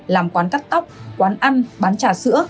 làm quán cắt tóc quán ăn bán trà sữa